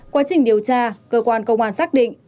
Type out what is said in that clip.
quá trình điều tra cơ quan công an xác định